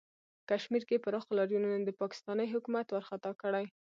کشمیر کې پراخو لاریونونو د پاکستانی حکومت ورخطا کړی